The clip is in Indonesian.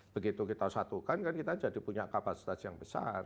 begitu kita satukan kan kita jadi punya kapasitas yang besar